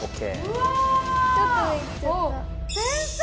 うわ！